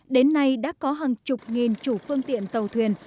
đến nay đã có hàng chục nghìn chủ phương tiện tàu thuyền